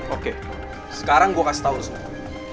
oke sekarang gue kasih tau semua